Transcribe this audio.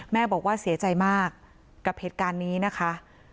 แม่บอกว่าเสียใจมากกับเหตุการณ์นี้นะคะ